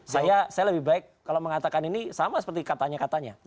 saya lebih baik kalau mengatakan ini sama seperti katanya katanya